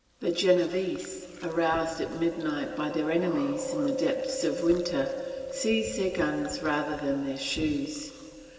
The Genevese, aroused at midnight by their enemies in the depth of winter, seized their guns rather than their shoes.